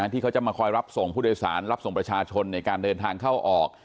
ที่เขาจะมาคอยรับส่งผู้โดยสารรับส่งประชาชนในการเดินทางเข้าออก